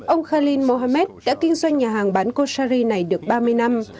ông khalil mohamed đã kinh doanh nhà hàng bán khoshari này được ba mươi năm